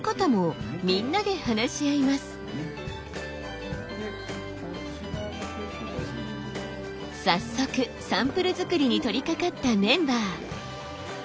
早速サンプル作りに取りかかったメンバー。